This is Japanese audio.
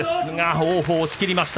王鵬、押しきりました。